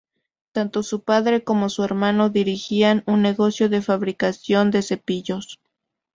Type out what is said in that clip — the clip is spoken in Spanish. Tanto su padre como su hermano dirigían un negocio de fabricación de cepillos.